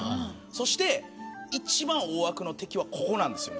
そして一番大枠の敵はここです。